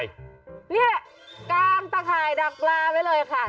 เนี่ยกางตะข่ายดักปลาไว้เลยค่ะ